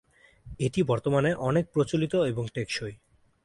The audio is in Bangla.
এটি বর্তমানে অনেক প্রচলিত এবং টেকসই।